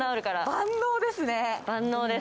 万能ですね。